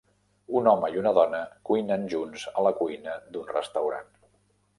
Un home i una dona cuinen junts a la cuina d'un restaurant.